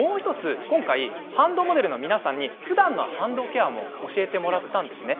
ハンドモデルの皆さんにふだんのハンドケアも教えてもらいました。